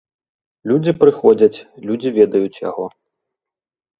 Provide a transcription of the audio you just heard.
Людзі прыходзяць, людзі ведаюць яго.